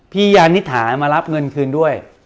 ยานิษฐามารับเงินคืนด้วย